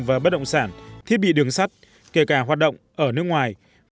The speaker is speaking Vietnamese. và bất động sản thiết bị đường sắt kể cả hoạt động ở nước ngoài